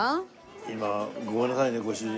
今ごめんなさいねご主人